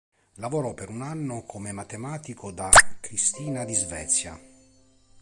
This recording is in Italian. Lavorò per un anno come matematico da Cristina di Svezia.